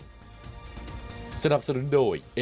สนับสนุนโดยเอกลักษณ์ใหม่ในแบบที่เป็นคุณโอลี่คัมรี่